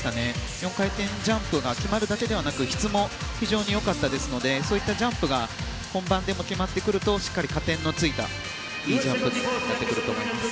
４回転ジャンプ決まるだけでなく質も良かったですのでそういったジャンプが本番でも決まってくるとしっかり加点のついたいいジャンプになると思います。